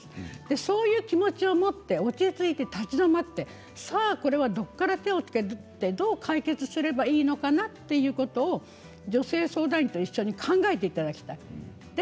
そういう気持ちを持って落ち着いて立ち止まってさあ、これはどこから手をつけてどう解決すればいいのかなということを女性相談員と一緒に考えていただきたい。